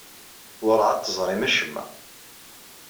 Werɛad teẓrim acemma.